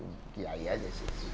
untuk percaya diri